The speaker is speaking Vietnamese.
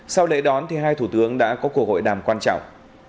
sau lễ đón hai thủ tướng đã có cuộc hội đàm quan trọng